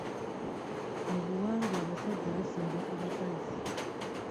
Mu buwangwa abasajja basinga ku bakazi.